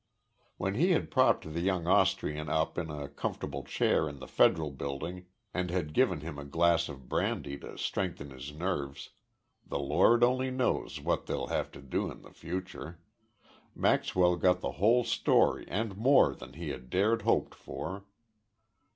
When he had propped the young Austrian up in a comfortable chair in the Federal Building and had given him a glass of brandy to strengthen his nerves the Lord only knows that they'll have to do in the future Maxwell got the whole story and more than he had dared hoped for.